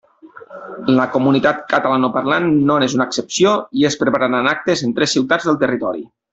La comunitat catalanoparlant no n'és una excepció i es prepararan actes en tres ciutats del territori.